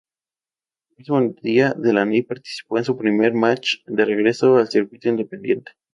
El mismo día, Delaney participó en su primer match de regreso al circuito independiente.